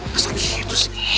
masa gitu sih